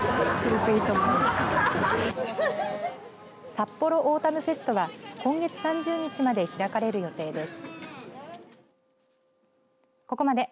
さっぽろオータムフェストは今月３０日まで開かれる予定です。